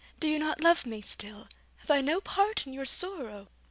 do you not love me still? Have I no part in your sorrow?'